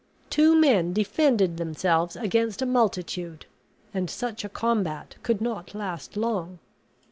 Two men defended themselves against a multitude; and such a combat could not last long.